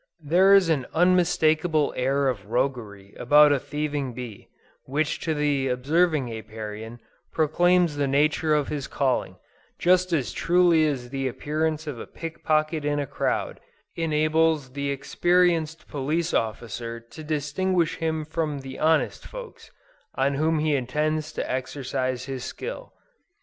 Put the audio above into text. There is an unmistakable air of roguery about a thieving bee, which to the observing Apiarian, proclaims the nature of his calling, just as truly as the appearance of a pickpocket in a crowd, enables the experienced police officer to distinguish him from the honest folks, on whom he intends to exercise his skill.